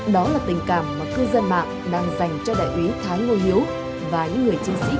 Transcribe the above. đó là tình cảm mà tư dân mạng đang dành cho đại úy thái ngô hiếu và những người chiến sĩ công nghiệp